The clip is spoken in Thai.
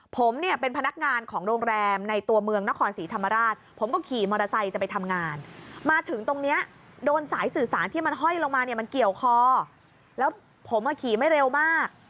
ผมเนี่ยเป็นพนักงานของโรงแรมในตัวเมืองนครศรีธรรมราชผมก็ขี่มอเตอร์ไซค์จะไปทำงานมาถึงตรงนี้โดนสายสื่อสารที่มันห้อยลงมาเนี่ยมันเกี่ยวคอแล้วผมขี่ไม่เร็วมาก